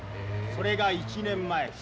それが１年前。